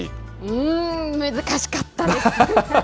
うーん、難しかったです。